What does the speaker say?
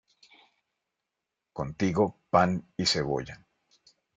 Contigo, pan y cebolla